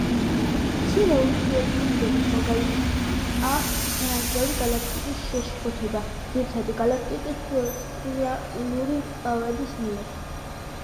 მცირე ურთიერთქმედების მაგალითია თანამგზავრი გალაქტიკის შეშფოთება ძირითადი გალაქტიკის სპირალური მკლავების მიერ.